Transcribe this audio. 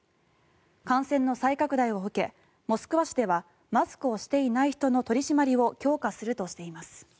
感染の再拡大を受けモスクワ市ではマスクをしていない人の取り締まりを強化するとしています。